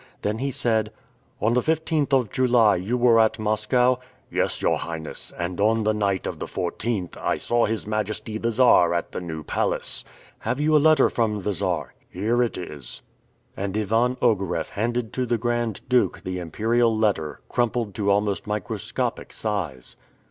Then he said, "On the 15th of July you were at Moscow?" "Yes, your Highness; and on the night of the 14th I saw His Majesty the Czar at the New Palace." "Have you a letter from the Czar?" "Here it is." And Ivan Ogareff handed to the Grand Duke the Imperial letter, crumpled to almost microscopic size.